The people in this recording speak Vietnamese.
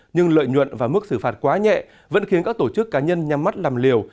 nhưng lợi nhuận và mức xử phạt quá nhẹ vẫn khiến các tổ chức cá nhân nhắm mắt làm liều